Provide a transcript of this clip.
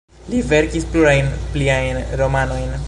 Li verkis plurajn pliajn romanojn.